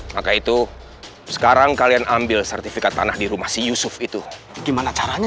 maka itu sekarang kalian ambil sertifikat tanah di rumah si yusuf itu gimana caranya